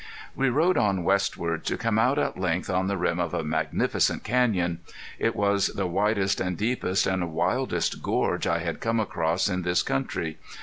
We rode on westward, to come out at length on the rim of a magnificent canyon. It was the widest and deepest and wildest gorge I had come across in this country.